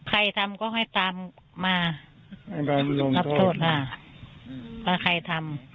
ใครทำก็ให้ตามมารับโทษค่ะอืมแล้วใครทำ